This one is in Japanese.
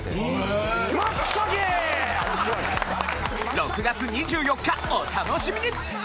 ６月２４日お楽しみに！